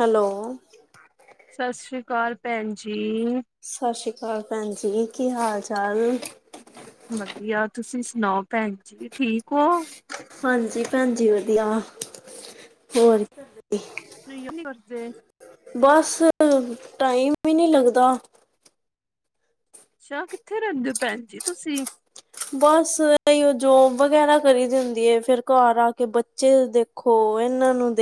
Hello ਸਤਿ ਸ੍ਰੀ ਅਕਾਲ ਭੈਣ ਜੀ ਸਤਿ ਸ੍ਰੀ ਅਕਾਲ ਭੈਣ ਜ ਕੀ ਹਾਲ ਚਾਲ ਵਧੀਆ ਤੁਸੀਂ ਸੁਣਾਓ ਭੈਣ ਜੀ ਠੀਕ ਹੋ ਹਾਂਜੀ ਭੈਣ ਜੀ ਵਧੀਆ ਹੋਰ ਕੀ ਨਹੀਓ ਕਰਦੇ ਬਸ ਟਾਈਮ ਹੀ ਨਹੀਂ ਲੱਗਦਾ। ਅੱਛਾ ਕਿੱਥੇ ਰਹਿੰਦੇ ਹੋ ਭੈਣ ਜੀ ਤੁਸੀਂ। ਬਸ ਇਹੀ ਉਹ ਜੋਬ ਵਗੈਰਾ ਕਰੀ ਦਿੰਦੀ ਹੈ ਫਿਰ ਘਰ ਆ ਕੇ ਬੱਚੇ ਦੇ। ਦੇਖੋ ਇਹਨਾਂ ਨੂੰ।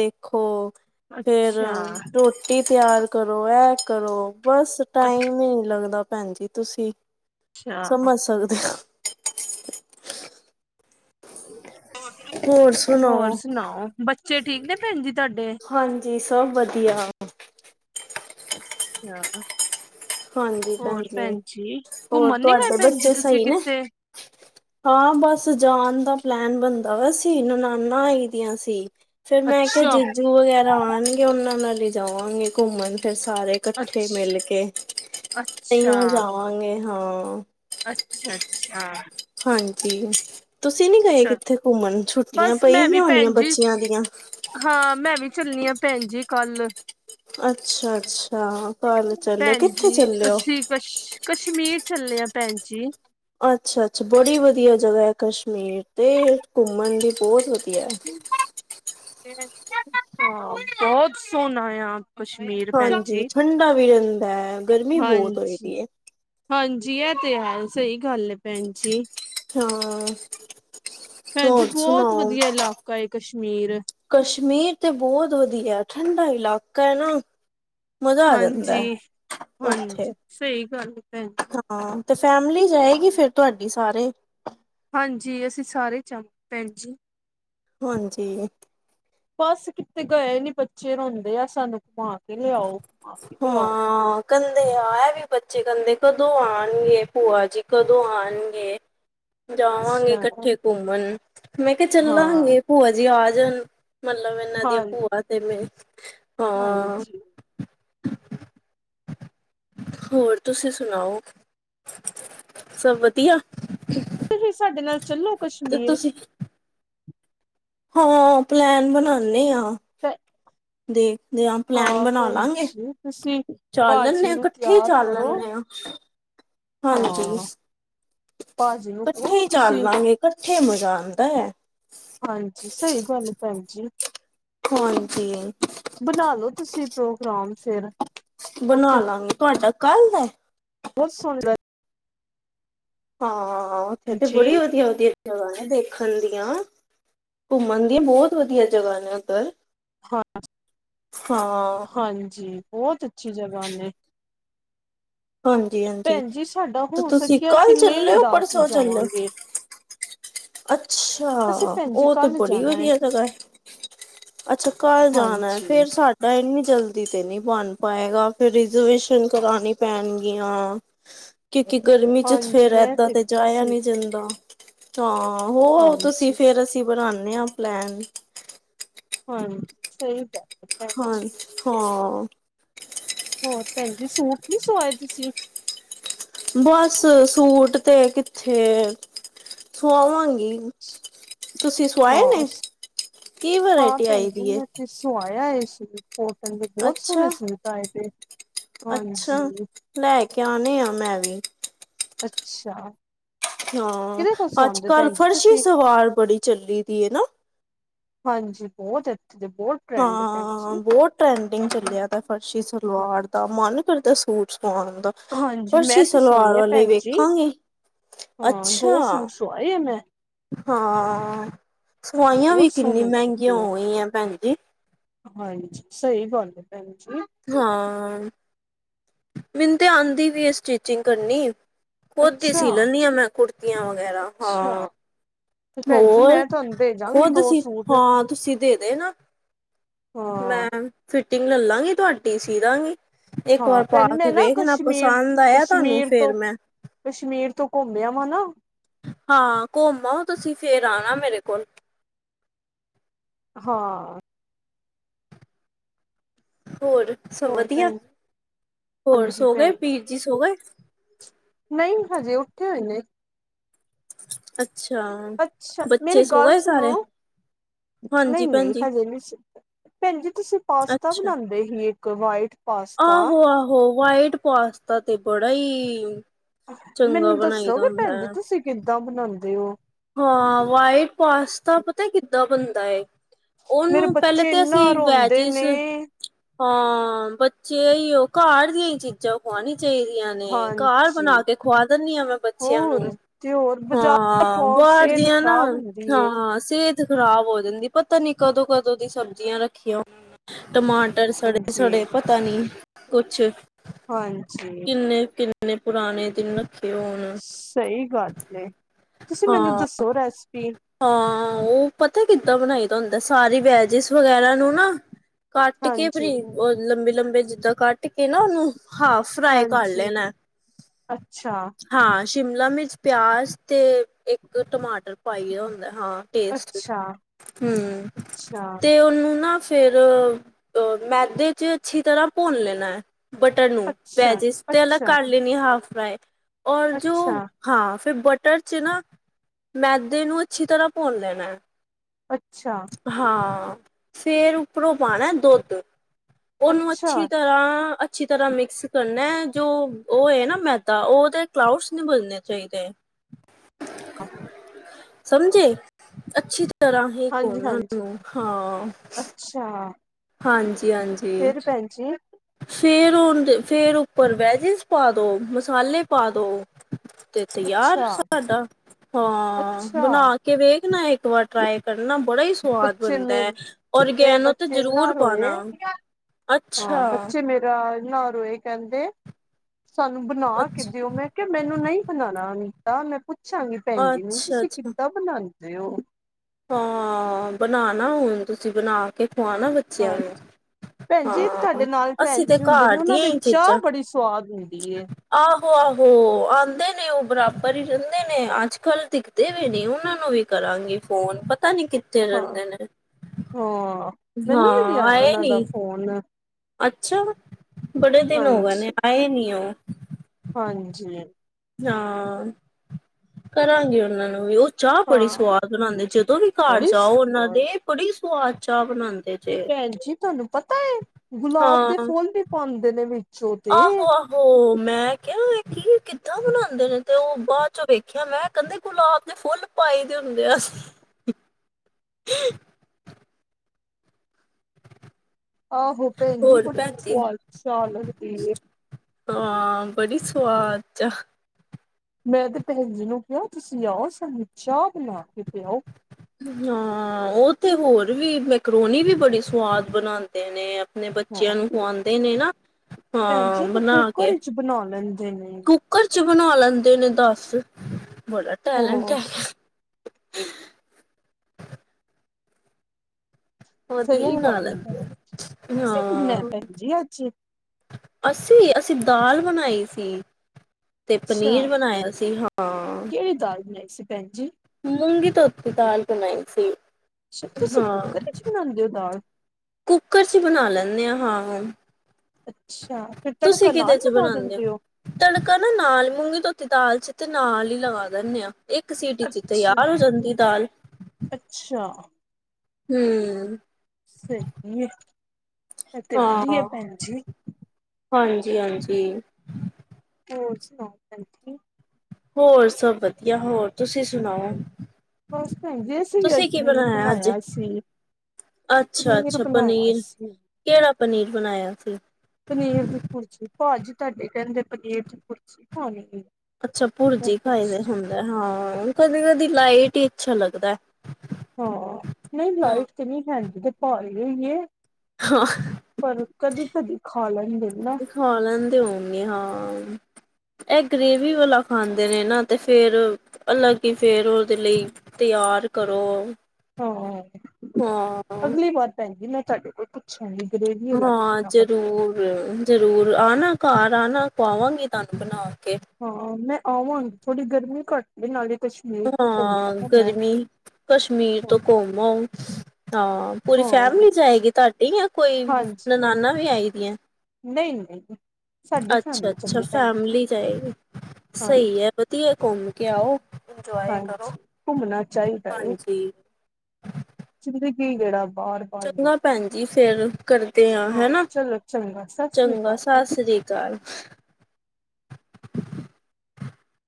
ਫਿਰ ਅੱਛਾ, ਰੋਟੀ ਤਿਆਰ ਕਰੋ ਇਹ ਕਰੋ ਬਸ। ਟਾਈਮ ਹੀ ਨਹੀਂ ਲੱਗਦਾ ਭੈਣ ਜੀ ਤੁਸੀਂ ਅੱਛਾ ਸਮਝ ਸਕਦੇ ਹੋ। ਹੋਰ ਹੋਰ ਸੁਣਾਓ। ਸੁਣਾਓ ਬੱਚੇ ਠੀਕ ਨੇ ਭੈਣ ਜੀ ਤੁਹਾਡੇ। ਹਾਂਜੀ ਸਭ ਵਧੀਆ ਅੱਛਾ ਹਾਂਜੀ ਹੋਰ ਜੀ ਭੈਣ ਹੋਰ ਜੀ--ਘੁੰਮਣ ਨੀ ਗਏ ਤੁਹਾਡੇ ਭੈਣ ਜੀ ਬੱਚੇ ਤੁਸੀਂ ਸਹੀ ਨੇ ਕਿੱਥੇ [unintelligible] ਹਾਂ ਬਸ ਜਾਣ ਦਾ ਪਲੈਨ ਬਣਦਾ ਵਾ ਸੀ ਨਨਾਨਾਂ ਆਈ ਦੀਆਂ ਸੀ। ਫੇਿਰ ਮੈਂ ਕਿਹਾ ਅੱਛਾ, ਜੀਜੂ ਵਗੈਰਾ। ਆਉਣਗੇ ਉਹਨਾਂ ਨਾਲ ਹੀ ਜਾਵਾਂਗੇ ਘੁੰਮਣ ਫਿਰ ਸਾਰੇ। ਅੱਛ ਇਕੱਠੇ ਮਿਲ ਕੇ ਅੱਛਾ, ਕਈਆਂ ਜਾਵਾਂਗੇ ਹਾਂ। ਅੱਛਾ, ਅੱਛਾ। ਹਾਂਜੀ ਤੁਸੀਂ ਨੀ ਗਏ ਅੱਛਾ ਕਿੱਥੇ ਘੁੰਮਣ ਛੁੱਟੀਆਂ ਬਸ ਪਈ ਮੈਂ ਸੀ ਵੀ ਹੋਣੀਆਂ ਭੈਣ ਜੀ ਬੱਚਿਆਂ ਦੀਆਂ ਹਾਂ ਮੈਂ ਵੀ ਚੱਲਣੀ ਆਾਂ ਭੈਣ ਜੀ ਕੱਲ। ਅੱਛਾ, ਅੱਛਾ ਕੱਲ ਚੱਲਿਓ, ਭੈਣ ਕਿੱਥੇ ਜੀ ਚੱਲਿਓ। ਅਸੀਂ ਕਸ਼ ਕਸ਼ਮੀਰ ਚੱਲੇਿਆ ਭੈਣ ਜੀ। ਅੱਛਾ, ਅੱਛਾ ਬੜੀ ਵਧੀਆ ਜਗ੍ਹਾ ਹੈ। ਕਸ਼ਮੀਰ ਤੇ ਘੁੰਮਣ ਵੀ ਬਹੁਤ ਵਧੀਆ ਹੈ। ਹਾਂ ਬਹੁਤ ਸੋਹਣਾ ਆ। ਕਸ਼ਮੀਰ। ਭੈਣ ਹਾਂਜੀ। ਜੀ ਠੰਡਾ ਵੀ ਰਹਿੰਦਾ ਹੈ। ਗਰਮੀ ਬਹੁਤ ਹਾਂਜੀ। ਹੋਏਦੀ ਹੈ। ਹਾਂਜੀ। ਇਹ ਤੇ ਹੈ। ਸਹੀ ਗੱਲ ਹੈ ਭੈਣ ਜੀ। ਹਾਂ। ਭੈਣ ਜੀ ਹੋਰ ਬਹੁਤ ਸੁਣਾਓ? ਵਧੀਆ ਇਲਾਕਾ ਏ ਕਸ਼ਮੀਰ। ਕਸ਼ਮੀਰ ਤੇ ਬਹੁਤ ਵਧੀਆ। ਠੰਢਾ ਇਲਾਕਾ ਹੈ ਨਾ। ਮਜ਼ਾ ਆ ਜਾਂਦਾ ਹਾਂਜੀ ਹੈ ਉੱਥੇ ਹਾਂਜੀ। ਸਹੀ ਗੱਲ ਭੈ। ਹਾਂ ਤੇ ਫੈਮਿਲੀ ਜਾਏਗੀ ਫਿਰ ਤੁਹਾਡੀ ਸਾਰੇ। ਹਾਂਜੀ। ਅਸੀਂ ਸਾਰੇ ਜਾਣੇ ਭੈਣ ਜੀ। ਹਾਂਜੀ। ਬਸ ਕਿਤੇ ਗਏ ਨੀ ਬੱਚੇ ਰੋਂਦੇ ਆ ਸਾਨੂੰ ਘੁਮਾ ਕੇ ਲਿਆਓ, ਘੁਮਾ ਕੇ ਲਿਆਓ। ਕਹਦੇ ਆ ਵੀ ਬੱਚੇ ਕਦੇ ਕਦੋਂ ਆਉਣਗੇ ਭੂਆ ਜੀ ਕਦੋਂ ਆਉਣਗੇ। [unintelligible] ਜਾਵਾਂਗੇ ਅੱਛਾ ਇਕੱਠੇ ਘੁੰਮਣ ਮੈਂ ਕਿਹਾ ਹਾਂ ਚੱਲਾਂਗੇ ਭੂਆ ਜੀ ਆ ਜਾਣ ਮਤਲਬ ਇਹਨਾਂ ਦੀਆਂ ਭੂਆ ਤੇ ਮ ਹਏ ਜੀ। ਹੋਰ ਤੁਸੀਂ ਸੁਣਾਓ। ਸਭ ਵਧੀਆ। ਤੁਸੀਂ ਸਾਡੇ ਨਾਲ ਚੱਲੋ ਤੇ ਕਸ਼ਮੀਰ। ਤੁਸੀਂ ਹਾਂ ਪਲੈਨ ਬਣਾਉਦੇ ਹਾਂ। ਤੇ ਦੇਖਦੇ ਹਾਂ ਪਲੈਨ ਬਣਾ ਲਾਂਗੇ। ਤੁਸੀਂ, ਚਲ ਲੈਂਨੇ ਭਾਜੀ ਆ ਨੂੰ ਕੱਠੀ ਤਿਆਰ ਚਲ ਕਰੋ ਲੰਨੇ ਆਂ। ਹਾਂਜੀ ਹਾਂ ਭਾਜੀ ਨੂੰ ਕਹੋ ਕੱਠੇਈ ਚਾਲ ਤੁਸੀਂ ਲਾਂਗੇ ਕੱਠੇ ਮਜ਼ਾ ਆਉਂਦਾ ਹੈ ਹਾਂਜੀ ਸਹੀ ਗੱਲ ਏ ਭੈਣ ਜੀ। ਹਾਂਜੀ! ਬਣਾ ਲੋ ਤੁਸੀਂ ਪ੍ਰੋਗਰਾਮ ਫੇਰ। ਬਣਾ ਲਾਂਗੇ ਤੁਹਾਡਾ ਕੱਲ੍ਹ ਦਾ? ਬਹੁਤ ਸੁੰਦਰ। ਹਾਂ ਓਥੇ ਤੇ ਜੀ ਬੜੀ ਵਧੀਆ ਜਗ੍ਹਾ ਨੇ ਦੇਖਣ ਦੀਆਂ, ਘੁੰਮਣ ਦੀਆਂ ਬਹੁਤ ਵਧੀਆ ਜਗ੍ਹਾ ਨੇ ਉੱਧਰ। ਹਾਂ, ਹਾਂ ਹਾਂਜੀ ਬਹੁਤ ਅੱਛੀ ਜਗਾ ਨੇ। ਹਾਂਜੀ ਹਾਂਜੀ ਭੈਣ ਜੀ ਸਾਡਾ ਤੇ ਹੋ ਤੁਸੀਂ ਸਕਿਆ ਅਸੀਂ ਕੱਲ ਚੱਲੇ ਹੋ ਲੇਹ-ਲਦਾਖ ਵੀ ਪਰਸੋਂ ਚੱਲੇ ਹੋ ਜਾਵਾਂਗੇ। ਅੱਛਾ। ਅਸੀਂ ਭੈਣ ਜੀ ਉਹ ਤੇ ਕੱਲ ਬੜੀ ਜਾਣਾ ਵਧੀਆ ਜਗ੍ਹਾ ਹੈ। ਅੱਛਾ। ਘਰ ਜਾਣਾ ਹਾਂਜੀ ਫੇਰ ਸਾਡੇ। ਡ ਜਲਦੀ ਤੇ ਨਹੀ ਬਣ ਪਾਏਗਾ ਫਿਰ ਰਿਜਰਵੇਸ਼ਨ ਕਰਾਣੀ। ਪੈਣਗੀਆਂ ਕਿਉਕਿ ਗਰਮੀ ਚ ਫਿਰ ਹਾਂਜੀ ਇਹ ਏਦਾਂ ਤੇ ਗੱਲ ਜਾਇਆ ਸਹੀ ਨਹੀ ਜਾਂਦਾ ਹਾਂ ਹੋ ਤੁਸੀਂ ਹਾਂਜੀ ਫਰ ਅਸੀਂ ਬਣਾਉਦੇ ਹਾਂ ਪਲੈਨ। ਹਾਂਜੀ ਸਹੀ ਤਾਂ ਹੈ। ਭੈਣ ਜੀ ਹਾਂ-ਹਾਂ। ਹੋਰ ਭੈਣਜੀ ਸੂਟ ਨੀ ਸੁਵਾਏ ਤੁਸੀਂ? ਬਸ ਸੂਟ ਤੇ ਕਿੱਥੇ ਸੁਆਵਾਂਗੀ। ਤੁਸੀਂ ਸੁਵਾਏ ਹਾਂ ਨੇ ਕੀ ਵਰਾਇਟੀ ਆਈ ਦੀਏ? ਸੁਵਾਇਆ ਏ ਸੀ। ਕੋਟਨ ਦੇ ਬਹੁਤ ਅੱਛਾ ਸੋਹਣੇ ਸੂਟ ਪਾਏ ਤੇ ਅੱਛਾ ਹਾਂਜੀ। ਲੈ ਕੇ ਆਉਣੇ ਆ ਮੈਂ ਵੀ। ਅੱਛਾ! ਹਾਂ ਕਿਹਦੇ ਕੋਲ ਸਵਾਉਂਦੇ ਅੱਜ-ਕੱਲ ਭੈਣ ਜੀ ਫਰਸ਼ੀ ਤੁਸੀਂ ਸਵਾਰ ਬੜੀ ਚੱਲੀ ਦੀ ਐ ਨਾ? ਹਾਂਜੀ ਬਹੁਤ ਇੱਥੇ ਦੇ ਬਹੁਤ ਟਰੈਂਡ ਏ ਭੈਣ ਹਾਂ ਜੀ ਬੌਤ ਟਰੈਂਡਿੰਗ ਚੱਲਿਆ ਤਾ। ਪਰਸ਼ੀ-ਸਲਵਾਰ ਦਾ ਮਨ ਕਰਦਾ ਸੂਟ ਸਵਾਉਣ ਦਾ। ਹਾਂਜੀ ਮੈਂ ਤੇ ਸਵਾਈ ਆ ਪਰਸ਼ੀ-ਸਲਵਾਰ ਲਈ ਭੈਣ ਜੀ ਵੇਖਾਂਗੇ ਅੱਛਾ! ਸਵਾਈਆ ਮੈਂ। ਹਾਂ ਸਵਾਈਆਂ ਬਹੁਤ ਵੀ ਕਿੰਨੀ ਸੋਹਣੇ ਮਹਿੰਗੀਆਂ ਲੱਗਦੇ ਆ ਹੋਈਆਂ ਭੈਣ ਜੀ। ਹਾਂਜੀ, ਸਹੀ ਗੱਲ ਹੈ ਭੈਣ ਜੀ। ਹਾਂ ਮੈਨੂੰ ਤੇ ਆਦੀਂ ਵੀ ਐ ਸਟਿਚਿੰਗ ਕਰਨੀ। ਖੁੱਦ ਈ ਅੱਛਾ ਸੀ ਲੈਂਨੀ ਆਂ ਮੈਂ ਕੁੜਤੀਆਂ ਵਗੈਰਾ, ਅੱਛਾ ਹਾਂ। ਤੇ ਭੈਣ ਜੀ ਹੋਰ ਮੈਂ ਤੁਹਾਨੂੰ ਦੇ ਜਾਗੀ ਦੋ ਖੁਦਸੀ ਸੂਟ ਹਾਂ ਤੁਸੀਂ ਦੇ ਦੇਨਾ। ਹਾਂ ਮੈਂ ਫਿਟਿੰਗ ਲੈਲਾਂਗੀ ਤੁਹਾਡੀ ਸੀ ਦਾਂਗੀ। ਇੱਕ ਹਾਂ ਵਾਰ ਪਾ ਭੈਣ ਮੈਂ ਕੇ ਨਾ ਵੇਖਣਾ ਕਸ਼ਮੀਰ ਪਸੰਦ ਆਇਆ ਤੁਹਾਨੂੰ ਕਸ਼ਮੀਰ ਫੇ਼ਰ ਤੋਂ ਮੈਂ ਕਸ਼ਮੀਰ ਤੋਂ ਘੁੰਮਿਆ ਵਾ ਨਾ। ਹਾਂ ਘੁੰਮ ਆਓ ਤੁਸੀਂ ਫੇ਼ਰ ਆਣਾ ਮੇਰੇ ਕੋਲ। ਹਾਂ। ਹੋਰ ਸਭ ਹੋਰ ਵਧੀਆ, ਭੈਣ ਹੋਰ ਹਾਂਜੀ ਸੋ ਗਏ ਵੀਰ ਜੀ ਸੋ ਗਏ? ਨਈਂ ਹਜੇ ਉੱਠੇ ਹੋਏ ਨੇ। ਅੱਛ! ਅੱਛਾ! ਅੱਛਾ, ਮੇਰੀ ਬੱਚੇ ਸੋ ਗੱਲ ਗਏ ਸਾਰੇ ਸੁਣੋ। ਨਹੀਂ, ਹਾਂਜੀ ਭੈਣ ਨਹੀਂ ਜੀ ਹਜੇ ਨਹੀਂ ਭੈਣ ਜੀ ਤੁਸੀਂ ਪਾਸਤਾ ਅੱਛਾ ਬਣਾਉਂਦੇ ਹੀ ਵਾਈਟ। ਪਾਸਤਾ ਆਹੋ, ਆਹੋ ਵਾਈਟ ਪਾਸਤਾ ਤੇ ਬੜਾ ਚੰਗਾ ਮੈਨੂੰ ਬਣਾਈ ਦਾ ਦੱਸੋ਼ਗੇ ਹੁੰਦਾ ਭੈਣਜੀ ਹੈ ਤੁਸੀਂ ਕਿੱਦਾਂ ਬਣਾਉਂਦੇ ਹੋ ਹਾਂ ਵਾਈਟ ਪਾਸਤਾ ਪਤਾ ਕਿੱਦਾਂ ਬਣਦਾ। ਮੇਰੇ ਉਹਨੂੰ ਪਹਿਲੇ ਬੱਚੇ ਤਾਂ ਇੰਨਾ ਅਸੀਂ ਰੋਂਦੇ ਵੈਜਿਸ ਨੇ ਹਾਂ ਬੱਚੇ ਹੀ ਉਹ ਘਰ ਦੀਆਂ ਹੀ ਚੀਜ਼ਾਂ ਖਵਾਣੀਆ ਚਾਹੀਦੀਆਂ। ਨੇ ਘਰ ਹਾਂਜੀ ਬਣਾ ਕੇ ਖਵਾ ਦਿੰਦੀ ਹਾਂ ਮੈਂ ਬੱਚਿਆਂ ਹੋਰ ਨੂੰ ਤੇ ਹੋਰ ਬਾਜ਼ਾਰ ਹਾਂ ਖਾਓ ਪਰ ਸਿਹਤ ਦੀਆਂ ਨਾ ਖ਼ਰਾਬ ਹੁੰਦੀ ਹਾਂ ਏ ਹਾਂ ਸਿਹਤ ਖ਼ਰਾਬ ਹੋ ਜਾਂਦੀ ਪਤਾ ਨੀ ਕਦੋਂ, ਕਦੋਂ ਦੀ ਸਬਜ਼ੀਆਂ ਰੱਖੀਆਂਆਂ ਟਮਾਟਰ ਸੜੇ ਹਾਂਜੀ ਸੜੇ ਪਤਾ ਨੀ ਕੁਛ ਹਾਂਜੀ। ਕਿੰਨੇ, ਕਿੰਨੇ ਪੁਰਾਣੇ ਦਿਨ ਰੱਖੇ ਹੋਣ। ਸਹੀ ਗੱਲ ਤੁਸੀਂ ਮੈਨੂੰ ਹਾਂ ਦੱਸੋ ਰੈਸਪੀ ਹਾਂ ਉਹ ਪਤਾ ਕਿੱਦਾਂ ਬਣਾਈ ਦਾ ਹੁੰਦਾ ਸਾਰੀ ਵੈਜਿਸ ਵਗੈਰਾ ਨੂੰ ਨਾ ਕੱਟ ਕੇ ਹਾਂਜੀ, ਬਰੀ ਓਰ ਲੰਬੇ-ਲੰਬੇ ਜਿੱਦਾਂ ਕੱਟ ਕੇ ਨਾ ਉਹਨੂੰ ਹਾਂ। ਫ਼ਰਾਏ ਕਰ ਹਾਂਜੀ। ਲੈਣੈ। ਅੱਛਾ, ਹਾਂ ਸ਼ਿਮਲਾ-ਮਿਰਚ, ਪਿਆਜ਼ ਤੇ ਇੱਕ ਟਮਾਟਰ ਪਾਈ ਦਾ ਹੁੰਦਾ ਹਾਂ। ਟੇਸਟ, ਅੱਛਾ, ਹਮ ਅੱਛਾ, ਤੇ ਉਹਨੂੰ ਨਾ ਫੇਰ ਅ ਮੈਦੇ 'ਚ ਅੱਛੀ ਤਰ੍ਹਾਂ ਭੁੰਨ ਲੈਣੈ। ਬਟਰ ਨੂੰ ਅੱਛਾ, ਵੈਜਸ ਤੇ ਅਲੱਗ ਅੱਛਾ, ਕਰ ਲੈਣੀ ਹਾਫ਼ ਫਰਾਇ ਔਰ ਜੋ ਅੱਛਾ। ਹਾਂ ਫਿਰ ਬਟਰ 'ਚ ਨਾ ਮੈਦੇ ਨੂੰ ਅੱਛੀ ਤਰ੍ਹਾਂ ਭੁੰਨ ਲੈਣੈ। ਅੱਛਾ। ਹਾਂ ਫੇਰ ਉੱਪਰੋਂ ਪਾਉਣਾ ਦੁੱਧ ਉਹਨੂੰ ਅੱਛਾ, ਅੱਛੀ ਤਰ੍ਹਾ ਅੱਛੀ ਤਰ੍ਹਾਂ ਮਿਕਸ ਕਰਨਾ ਜੋ ਉਹ ਹੈ ਨਾ ਮੈਦਾ ਉਹਦੇ ਕਲਾਉਡਸ ਨਹੀਂ ਬਦਣੇ ਚਾਹੀਦੇ। [inaudible] ਸਮਝੇ ਅੱਛੀ ਤਰ੍ਹਾਂ ਹੀ ਕੋ ਨੂੰ ਹਾਂ ਆ ਹਾਂਜੀ, ਹਾਂਜੀ। ਹਾਂਜੀ। ਫੇਰ ਫੇਰ ਉੱਪਰ ਵੈਜਸ ਪਾ ਦੋ ਮਸਾਲੇ ਪਾ ਦੋ ਤੇ ਤੇ ਯਾਰ ਅੱਛਾ, ਸਾਡਾ ਹਾਂ ਅੱਛਾ ਬਣਾ ਕੇ ਵੇਖ ਨਾ ਇੱਕ ਵਾਰ ਟਰਾਈ ਕਰਨਾ ਬੜਾ ਹੀ ਸਵਾਦ ਬੱਚੇ ਬਣਦਾ ਮੇਰੇ ਹੈ ਮੇਰੇ ਔਰਗੈਨੋ ਤਾਂ ਬੱਚੇ ਇੰਨਾ ਜ਼ਰੂਰ ਰੋਏ ਪਾਉਣਾ। ਅੱਛ। ਹਾਂ ਬੱਚੇ ਮੇਰਾ ਨਾ ਰੋਏ ਕਹਿੰਦੇ ਸਾਨੂੰ ਬਣਾ ਕਿ ਅੱਛ ਦਿਓ ਮੈਂ ਮੈਨੂੰ ਨਹੀਂ ਬਣਾਉਣਾ ਆੳਦਾ ਮੈਂ ਪੁੱਛਾਂਗੀ ਭੈਣ ਜੀ ਨੂੰ ਅੱਛਾ ਤੁਸੀਂ ਅੱਛਾ। ਕਿੱਦਾਂ ਬਣਾਉਂਦੇ ਹੋ। ਹਾਂ ਬਣਾਣਾ ਹੁਣ ਤੁਸੀਂ ਬਣਾ ਕੇ ਖਵਾਣਾ ਹਾਂ ਬੱਚਿਆਂ ਨੂੰ ਭੈਣ ਜੀ ਇੱਕ ਤੁਹਾਡੇ ਹਾਂ ਨਾਲ ਅਸੀਂ ਭੈਣ ਤੇ ਜੀ ਹੁੰਦੇ ਨੇ ਘਰ ਉਹਨਾਂ ਦੀਆਂ ਦੀ ਹੀ ਚਾਹ ਚੀਜ਼ਾਂ ਬੜੀ ਸਵਾਦ ਹੁੰਦੀ ਏ। ਆਹੋ, ਆਹੋ ਆਉਂਦੇ ਨੇ ਉਹ ਬਰਾਬਰ ਹੀ ਰਹਿੰਦੇ ਨੇ ਅੱਜ ਕੱਲ੍ਹ ਤੇ ਵੀ ਨੀ ਉਹਨਾਂ ਨੂੰ ਵੀ ਕਰਾਂਗੀ ਫੋਨ ਪਤਾ ਨੀ ਕਿ ਹਾਂ, ਹਾਂ ਮੈਨੂੰ ਵੀ ਨੀ ਹਾਂ ਆਇਆ ਆਏ ਉਹਨਾਂ ਦਾ ਨੀ ਫੋਨ ਅੱਛਾ ਬੜੇ ਦਿਨ ਹੋ ਗਏ ਨੇ ਹਾਂਜੀ ਆਏ ਨੀ ਆ ਉਹ ਹਾਂਜੀ। ਹਾਂ। ਕਰਾਂਗੇ ਉਹਨਾਂ ਨੂੰ ਵੀ ਉਹ ਚਾਹ ਬੜੀ ਹਾਂ ਸਵਾਦ ਬਣਾਉਂਦੇ ਜਦੋਂ ਵੀ ਘਰ ਬੜੀ ਜਾਓ ਉਹਨਾਂ ਸਵਾਦ ਦੇ ਬੜੀ ਸਵਾਦ ਚਾਹ ਬਣਾਉਂਦੇ। ਜੇ ਭੈਣ ਜੀ ਤੁਹਾਨੂੰ ਪਤਾ ਹੈ ਗੁਲਾਬ ਦੇ ਹਾਂ ਫੁੱਲ ਵੀ ਪਾਉਂਦੇ ਨੇ ਵਿੱਚ ਆਹੋ, ਆਹੋ ਮੈਂ ਕਿਹਾ ਕੀ ਕਿੱਦਾਂ ਬਣਾਉਦੇ ਨੇ ਤੇ ਉਹ ਬਾਅਦ ਚੋਂ ਵੇਖ ਦੇਖਿਆ ਮੈਂ ਕਹਿੰਦੇ ਗੁਲਾਬ ਦੇ ਫੁੱਲ ਪਾਏ ਦੇ ਹੁੰਦੇ ਆ। [inaudible] ਆਹੋ ਭੈਣ ਜੀ ਹੋਰ ਬੜੀ ਭੈਣ ਜੀ ਸਵਾਦ ਚਾਹ ਲੱਗਦੀ ਹੈ। ਹਾਂ ਬੜੀ ਸਵਾਦ ਚਾਹ। ਮੈਂ ਤੇ ਭੈਣ ਜੀ ਨੂੰ ਕਿਹਾ ਤੁਸੀਂ ਆਓ ਸਾਨੂੰ ਚਾਹ ਬਣਾ ਕੇ ਪਿਆਓ। ਹਾਂ ਉਹ ਤੇ ਹੋਰ ਵੀ ਮੈਂਕਰੋਨੀ ਵੀ ਬੜੀ ਸਵਾਦ ਬਣਾਉਂਦੇ ਨੇ। ਆਪਣੇ ਹਾਂ ਬੱਚਿਆਂ ਨੂੰ ਖਆਉਂਦੇ ਨੇ ਨਾ ਭੈਣ ਹਾਂ ਜੀ ਤੇ ਬਣਾ ਕੁੂੱਕਰ ਕੇ। ਵਿਚ ਬਣਾ ਲੈਂਦੇ ਨੇ। ਕੁੱਕਰ 'ਚ ਬਣਾ ਲੈਂਦੇ ਨੇ ਦੱਸ ਬੜਾ ਟੈੈਂਲਟ ਹਾਂ ਹੈ। ਵਧੀਆ ਸਹੀ ਬਣਾ ਗੱਲ ਹੈ ਲੈਂਦੀ ਤੁਸੀਂ ਕੀ ਬਣਾਇਆ ਹਾਂ। ਭੈਣ ਜੀ ਅੱਜ ਅਸੀਂ ਅਸੀਂ ਦਾਲ ਬਣਾਈ ਸੀ ਤੇ ਅੱਛਾ ਪਨੀਰ ਬਣਾਇਆ ਸੀ। ਹਾਂ। ਕਿਹੜੀ ਦਾਲ ਬਣਾਈ ਸੀ ਭੈਣ ਜੀ। ਮੂੰਗੀ ਧੋਤੀ ਦਾਲ ਬਣਾਈ ਸੀ। ਅੱਛਾ ਤੁਸੀਂ ਹਾਂ ਕੁੱਕਰ ਵਿੱਚ ਬਣਾਉਂਦੇ ਹੋ ਦਾਲ। ਕੁੱਕਰ 'ਚ ਬਣਾ ਲੈਣੇ ਹਾਂ। ਅੱਛਾ ਫਿਰ ਤੁਸੀਂ ਤੜਕਾ ਨਾਲ ਕਿਦੇ ਚ ਲਗਾ ਬਣਾਉਂਦੇ ਦਿੰਦੇ ਹੋ। ਤੜਕਾ ਨਾ ਨਾਲ ਮੂੰਗੀ ਧੋਤੀ ਦਾਲ ਚ ਤੇ ਨਾਲ ਹੀ ਲਗਾ ਦਿੰਦੇ ਆਾਂ। ਇੱਕ ਸੀਟੀ ਚ ਅੱਛਾ ਤਿਆਰ ਹੋ ਜਾਂਦੀ ਦਾਲ ਅੱਛਾ। ਹੂੰ ਹਾਂ [unintelligible] ਹਾਂਜੀ, ਹਾਂਜੀ। ਹੋਰ ਸੁਣਾਓ ਭੈਣਜੀ? ਹੋਰ ਸਭ ਵਧੀਆ ਹੋਰ ਤੁਸੀਂ ਸੁਣਾਓ? ਬਸ ਭੈਣ ਜੀ ਅਸੀਂ ਵੀ ਅੱਜ ਤੁਸੀਂ ਕੀ ਪਨੀਰ ਅੱਜ ਬਣਾਇਆ ਸੀ। ਅੱਛਾ ਪਨੀਰ ਅੱਛਾ ਬਣਾਇਆ ਪਨੀਰ ਸੀ ਕਿਹੜਾ ਪਨੀਰ ਬਣਾਇਆ ਸੀ? ਪਨੀਰ ਦੀ ਭੁਰਜੀ ਭਾਜੀ ਤੁਹਾਡੇ ਕਹਿੰਦੇ ਪਨੀਰ ਦੀ ਭੁਰਜੀ ਖਾਣੀ ਆ। ਅੱਛਾ ਭੁਰਜੀ ਖਾਈ ਦੇ ਹੁੰਦਾ ਹਾਂ ਕਦੀ ਕਦੀ ਲਾਈਟ ਹੀ ਅੱਛਾ ਲੱਗਦਾ। ਹਾਂ ਨਹੀਂ ਹਾਂ ਲਾਈਟ ਤੇ ਨਹੀਂ ਹੈਗੀ ਤੇ ਭਾਰੀਓ ਈ ਏ। [unintelligible] ਹਾਂ ਪਰ ਕਦੀ ਕਦੀ ਖਾ ਲੈਂਦੇ ਨੇ ਨਾ। ਖਾ ਲੈਂਦੇ ਹੋਣੇ ਹਾਂ। ਇਹ ਗਰੇਵੀ ਵਾਲਾ ਖਾਂਦੇ ਨੇ ਨਾ ਤੇ ਫੇਰ ਅਲੱਗ ਫੇਰ ਉਹਦੇ ਲਈ। ਤਿਆਰ ਕਰੋ। ਹਾਂ ਹਾਂ ਅਗਲੀ ਵਾਰ ਭੈਣ ਜੀ ਮੈਂ ਤੁਹਾਡੇ ਕੋਲ ਪੁੱਛਾਂਗੀ ਗਰੇਵੀ। ਹਾਂ ਜ਼ਰੂਰ। ਜ਼ਰੂਰ ਆਣਾ ਘਰ ਆਣਾ ਖਵਾਗੀ ਤੁਹਾਨੂੰ ਬਣਾ ਕੇ। ਹਾਂ ਮੈਂ ਆਵਾਂਗੀ ਥੋੜੀ ਗਰਮੀ ਘੱਟ। ਵੀ ਨਾਲੀ ਤੇ ਛਬੀਲ। ਹਾਂ ਗਰਮੀ ਕਸ਼ਮੀਰ ਹਾਂ ਤੋਂ ਘੁੰਮ ਆਓ। ਹਾਂ ਪੂਰੀ ਫੈਮਲੀ ਜਾਏਗੀ ਤੁਹਾਡੀ ਜਾਂ ਕੋਈ ਹਾਂਜੀ ਨਨਾਨਾ ਵੀ ਆਈ ਦੀਆਂ। ਨਹੀਂ ਨਹੀਂ। ਸਾਡੀ ਅੱਛਾ ਫੈਮਿਲੀ ਅੱਛਾ ਚੱਲੀ ਭੈਣ ਜੀ ਫੈਮਲੀ ਜਾਏ ਗਈ ਹਾਂ ਸਹੀ ਹੈ। ਵਧੀਆ ਘੁੰਮ ਕੇ ਆਓ। ਇੰਜੋਏ ਕਰੋ ਹਾਂਜੀ ਘੁੰਮਣਾ ਚਾਹੀਦਾ ਏ ਹਾਂਜੀ ਜ਼ਿੰਦਗੀ ਕਿਹੜਾ ਬਾਹਰ। ਚੰਗਾ ਭੈਣ ਜੀ ਫੇਰ ਕਰਦੇ ਹਾਂ ਹਨਾ ਚਲੋ ਚੰਗਾ ਸਤਿ ਸ੍ਰੀ ਚੰਗਾ ਅਕਾਲ ਸਸ ਰੀ। ਚਾਲ।